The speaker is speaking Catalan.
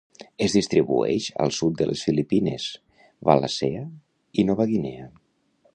Es distribueix al sud de les Filipines, Wallacea i Nova Guinea.